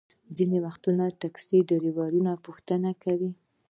ځینې وخت ټکسي ډریوران پوښتنه کوي.